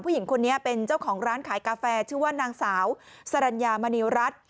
ผู้หญิงคนนี้เป็นเจ้าของร้านขายกาแฟชื่อว่านางสาวสรรญามณีรัฐ